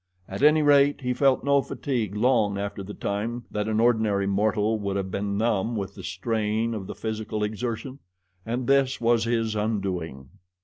At any rate he felt no fatigue long after the time that an ordinary mortal would have been numb with the strain of the physical exertion. And this was his undoing.